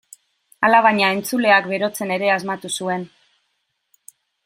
Alabaina, entzuleak berotzen ere asmatu zuen.